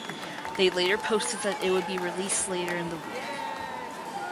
They later posted that it would be released later in the week.